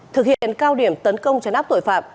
thực hiện cao điểm tấn công chấn áp tội phạm